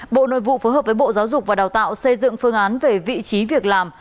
bộ nội vụ phối hợp với bộ giáo dục và đào tạo xây dựng phương án về vị trí việc làm